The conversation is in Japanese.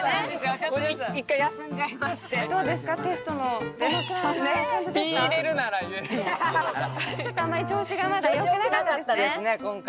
ちょっとあんまり調子がまだよくなかったんですね